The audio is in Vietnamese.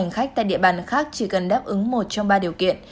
hành khách tại địa bàn khác chỉ cần đáp ứng một trong ba điều kiện